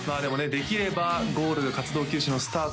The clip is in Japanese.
できればゴールが活動休止のスタート